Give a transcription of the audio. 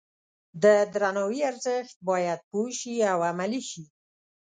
د درناوي ارزښت باید پوه شي او عملي شي.